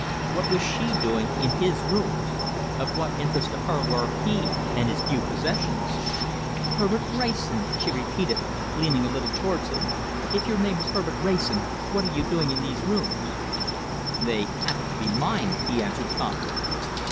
What was she doing in his rooms? of what interest to her were he and his few possessions? "Herbert Wrayson," she repeated, leaning a little towards him. "If your name is Herbert Wrayson, what are you doing in these rooms?" "They happen to be mine," he answered calmly.